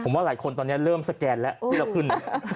ว่าหลายคนตอนนี้เริ่มสแกนแล้วที่เราขึ้น